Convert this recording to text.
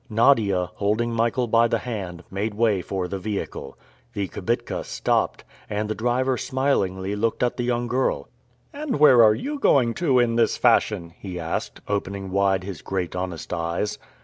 Nadia, holding Michael by the hand, made way for the vehicle. The kibitka stopped, and the driver smilingly looked at the young girl. "And where are you going to in this fashion?" he asked, opening wide his great honest eyes.